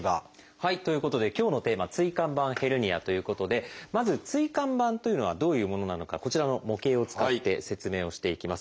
はいということで今日のテーマ「椎間板ヘルニア」ということでまず椎間板というのはどういうものなのかこちらの模型を使って説明をしていきます。